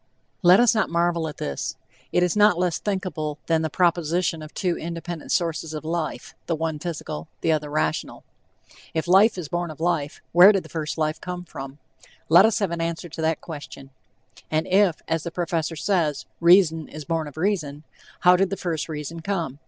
Let us not marvel at this; it is not less thinkable than the proposition of two independent sources of life, the one physical, the other rational. If "life is born of life," where did the first life come from? Let us have an answer to that question. And if, as the professor says, "reason is born of reason," how did the first reason come?